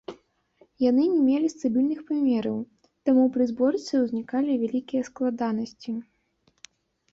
Яны не мелі стабільных памераў, таму пры зборцы ўзнікалі вялікія складанасці.